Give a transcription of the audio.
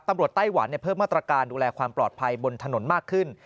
ไต้หวันเพิ่มมาตรการดูแลความปลอดภัยบนถนนมากขึ้น